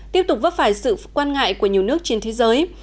tiếp tục vấp phải sự quan ngại của nhiều nước trên thế giới